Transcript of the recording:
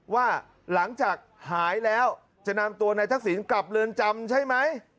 ว่าหลังจากหายแล้วจะนำตัวนายทักษิณกลับเรือนจำใช่ไหม